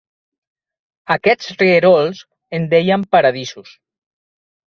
Aquests rierols, en deien "paradisos".